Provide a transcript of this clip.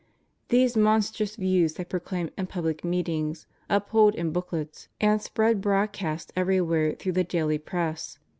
These monstrous views they proclaim in public meetings, uphold in booklets, and spread broadcast everywhere through the daily press.